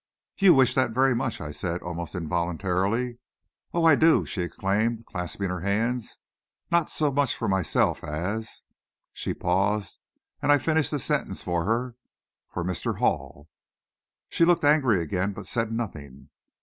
"You wish that very much?" I said, almost involuntarily. "Oh, I do!" she exclaimed, clasping her hands. "Not so much for myself as " She paused, and I finished the sentence for her "For Mr. Hall." She looked angry again, but said nothing.